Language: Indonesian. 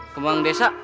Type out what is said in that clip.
kembali ke desa